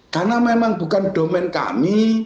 karena memang bukan domen kami